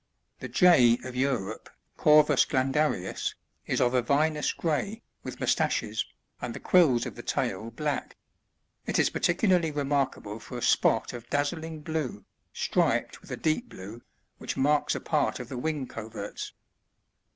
77. The Jay of Europe, — Corrms ghndarivs, — is of a vinous gray, with mustaches, and the quills of the tail black ; it is par ticularly remarkable for a spot of dazzling blue, striped with a deep blue, which marks a part of the wing coverts.